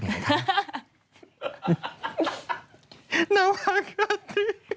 นาวอากาศตี